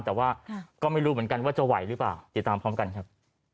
แต่ว่าก็ไม่รู้เหมือนกันว่าจะไหวหรือเปล่าติดตามพร้อมกันครับ